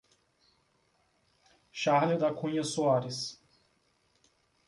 Charle da Cunha Soares